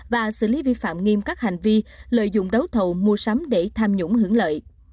và xử lý vi phạm nghiêm các hành vi lợi dụng đấu thầu mua sắm để tham nhũng hưởng lợi